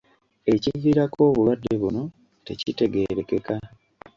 Ekiviirako obulwadde buno tekitegeerekeka